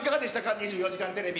２４時間テレビ。